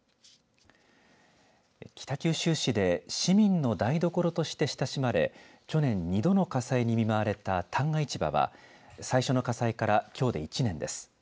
北九州市で市民の台所として親しまれ去年２度の火災に見舞われた旦過市場は最初の火災からきょうで１年です。